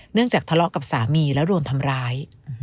จากทะเลาะกับสามีแล้วโดนทำร้าย